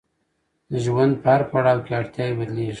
د ژوند په هر پړاو کې اړتیاوې بدلیږي.